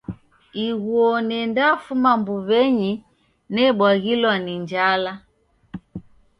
Ighuo nendafuma mbuwenyi nebwaghilo ni njala